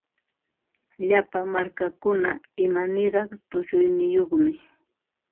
Llapa markakuna imaniraq tushuyniyuqmi.